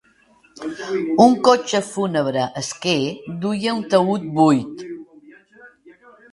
Un cotxe fúnebre esquer duia un taüt buit.